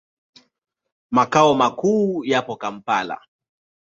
Makao makuu yapo Kampala.